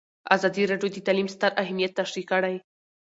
ازادي راډیو د تعلیم ستر اهميت تشریح کړی.